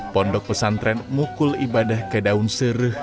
pondok pesantren mukul ibadah ke daun sereh